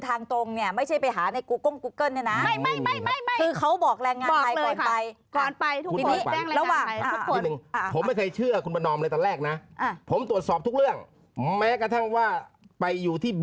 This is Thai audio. ทางตรงเนี้ยไม่ใช่ไปหาใน